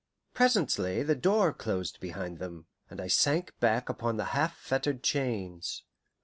Presently the door closed behind them, and I sank back upon the half fettered chains.